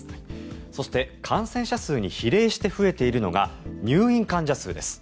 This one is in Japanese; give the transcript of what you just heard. そして、感染者数に比例して増えているのが入院患者数です。